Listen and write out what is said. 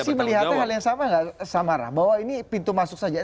psi melihatnya hal yang sama sama arah bahwa ini pintu masuk saja